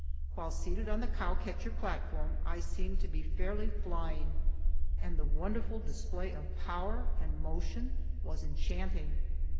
While seated on the cow catcher platform, I seemed to be fairly flying, and the wonderful display of power and motion was enchanting.